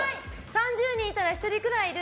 ３０人いたら１人くらいいる。